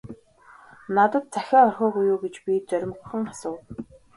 - Надад захиа орхиогүй юу гэж би зоримогхон асуув.